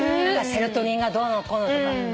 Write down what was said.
セロトニンがどうのこうのとか。